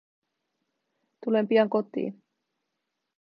Tulen pian kotiin.